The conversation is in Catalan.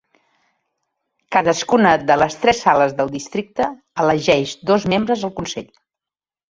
Cadascuna de les tres sales del districte elegeix dos membres al consell.